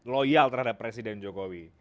loyal terhadap presiden jokowi